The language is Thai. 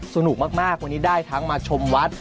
สนุกมากวันนี้ได้ทั้งมาชมวัด